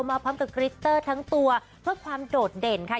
มาพร้อมกับกริตเตอร์ทั้งตัวเพื่อความโดดเด่นค่ะ